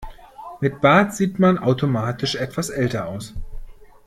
Mit Bart sieht man automatisch etwas älter aus.